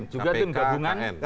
juga tim gabungan